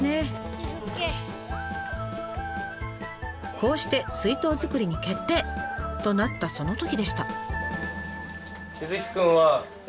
こうして水筒作りに決定！となったそのときでした。